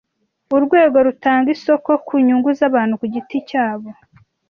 urwego rutanga isoko ku nyungu zabantu ku giti cyabo